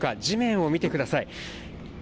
地面を見てください。